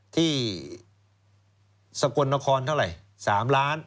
สกลนครเท่าไหร่๓ล้าน